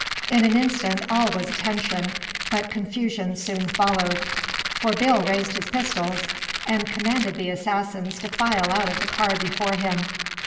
In an instant all was attention, but confusion soon followed, for Bill raised his pistols and commanded the assassins to file out of the car before him.